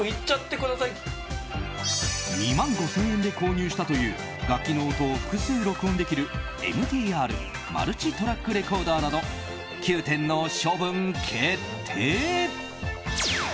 ２万５０００円で購入したという楽器の音を複数録音できるＭＴＲ・マルチトラックレコーダーなど９点の処分決定。